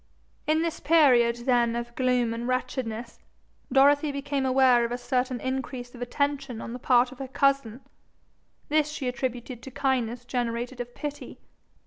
In this period then of gloom and wretchedness, Dorothy became aware of a certain increase of attention on the part of her cousin. This she attributed to kindness generated of pity.